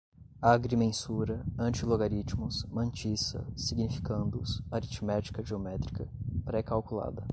agrimensura, antilogaritmos, mantissa, significandos, aritmética-geométrica, pré-calculada